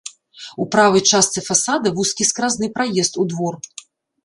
У правай частцы фасада вузкі скразны праезд у двор.